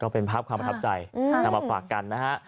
เป็นภาพความประทับใจนำมาฝากกันนะฮะ